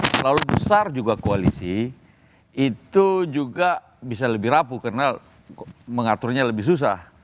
terlalu besar juga koalisi itu juga bisa lebih rapuh karena mengaturnya lebih susah